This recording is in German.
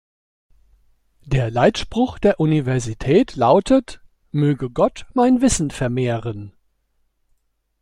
Der Leitspruch der Universität lautet: "Möge Gott mein Wissen vermehren".